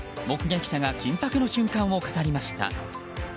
目撃者が緊迫の瞬間を語りました。